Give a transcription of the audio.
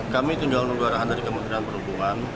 kami itu jangkauan dari kementerian perhubungan